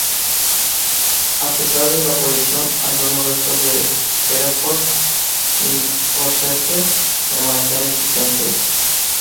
A pesar de la abolición, algunos restos de Hereford y Worcester permanecían existentes.